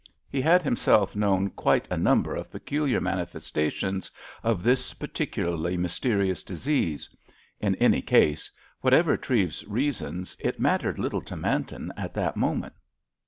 He had himself known quite a number of peculiar manifestations of this particularly mysterious disease. In any case, whatever Treves's reasons, it mattered little to Manton at that moment.